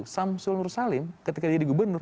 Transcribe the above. samsul nur salim ketika jadi gubernur